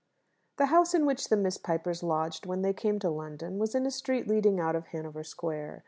The house in which the Miss Pipers lodged when they came to London was in a street leading out of Hanover Square.